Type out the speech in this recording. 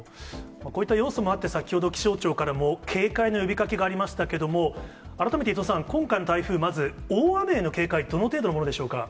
こういった要素もあって、先ほど気象庁からも警戒の呼びかけがありましたけれども、改めて伊藤さん、今回の台風、まず大雨への警戒、どの程度のものでしょうか。